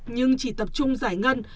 nhưng chỉ tập trung giải ngân